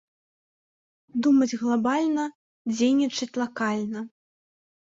Думаць глабальна, дзейнічаць лакальна.